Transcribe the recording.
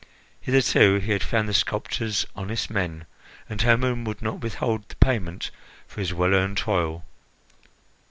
Hitherto he had found the sculptors honest men, and Hermon would not withhold the payment for his well earned toil.